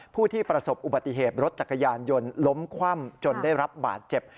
ผู้ที่ประสบอุบัติเหตุรถจักรยานยนต์ล้มคว่ำจนได้รับบาดเจ็บ